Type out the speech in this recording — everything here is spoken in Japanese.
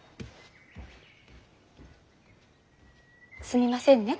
すみませんね